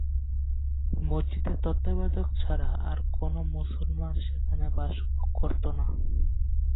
মসজিদের তত্ত্বাবধায়ক ছাড়া আর কোন মুসলমান সেখানে বাস করত না।